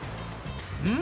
うん？